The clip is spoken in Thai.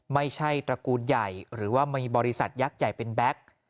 ตระกูลใหญ่หรือว่ามีบริษัทยักษ์ใหญ่เป็นแบ็ค